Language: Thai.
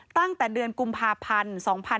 ตั้งแต่เดือนกุมภาพันธ์๒๕๖๒